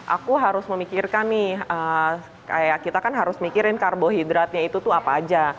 aku harus memikirkan nih kayak kita kan harus mikirin karbohidratnya itu tuh apa aja